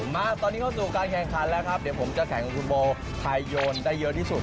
มาตอนนี้เข้าสู่การแข่งขันแล้วครับเดี๋ยวผมจะแข่งกับคุณโบไทยโยนได้เยอะที่สุด